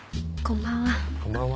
こんばんは。